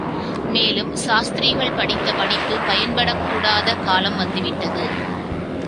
மேலும் சாஸ்திரிகள் படித்த படிப்பு பயன்படக்கூடாத காலம் வந்துவிட்டது.